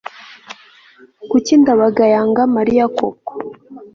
kuki ndabaga yanga mariya koko